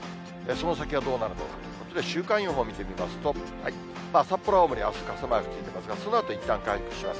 その先はどうなるのかということで週間予報を見てみますと、札幌、青森、あす、傘マークですが、そのあといったん回復します。